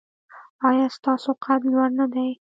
ایا ستاسو قد لوړ نه دی؟